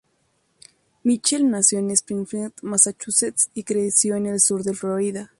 Mitchell nació en Springfield, Massachusetts y creció en el sur de Florida.